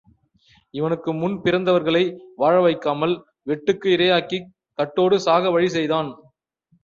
இவனுக்கு முன் பிறந்தவர்களை வாழ வைக்காமல் வெட்டுக்கு இரையாக்கிக் கட்டோடு சாக வழி செய்தான்.